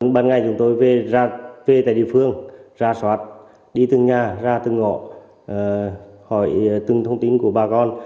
bạn ngài chúng tôi về tại địa phương ra soát đi từng nhà ra từng ngộ hỏi từng thông tin của bà con